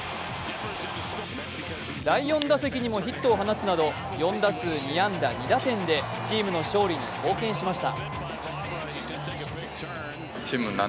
第４打席にもヒットを放つなど４打数２安打２打点でチームの勝利に貢献しました。